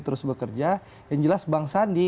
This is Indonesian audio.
terus bekerja yang jelas bang sandi